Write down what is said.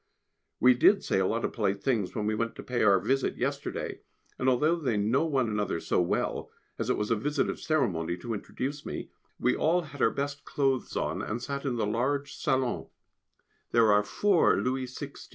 _ We did say a lot of polite things when we went to pay our visit yesterday, and although they know one another so well as it was a "visit of ceremony" to introduce me we all had our best clothes on, and sat in the large salon (there are four Louis XVI.